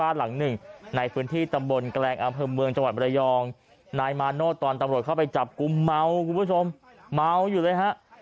โอเคโอเคโอเคโอเค